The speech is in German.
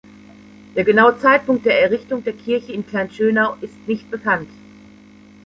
Der genaue Zeitpunkt der Errichtung der Kirche in Kleinschönau ist nicht bekannt.